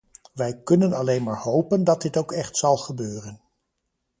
Wij kunnen alleen maar hopen dat dit ook echt zal gebeuren.